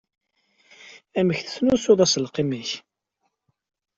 Amek tesnusuḍ aselkim-ik?